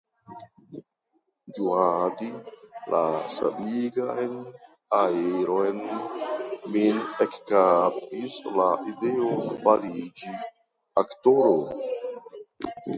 Ĝuadi la sanigan aeron, min ekkaptis la ideo fariĝi aktoro.